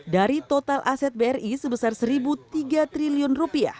dari total aset bri sebesar rp satu tiga triliun